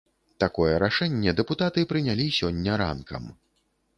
Такое рашэнне дэпутаты прынялі сёння ранкам.